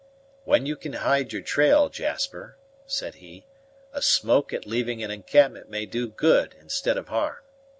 "When you can hide your trail, Jasper," said he, "a smoke at leaving an encampment may do good instead of harm.